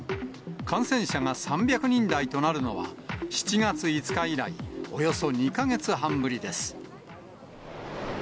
感染者が３００人台となるのは、７月５日以来およそ２か月半ぶりです。